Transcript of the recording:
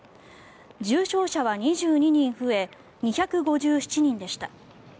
重症者は２２人増え２５７人でした。